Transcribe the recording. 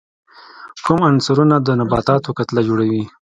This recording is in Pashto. کوم عنصرونه د نباتاتو کتله جوړي؟